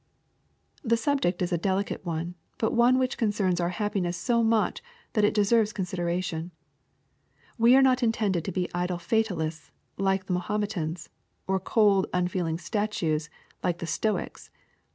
The subject is a delicate one, but one which concerns our happiness so much that it deserves consideration. We are not intended to be idle fatalists, like the Ma hometans, or cold, unfeeling statues, like the Stoics.